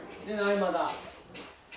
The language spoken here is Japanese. まだ。